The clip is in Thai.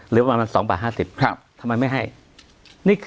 เหลือประมาณ๒บาท๕๐ทำไมไม่ให้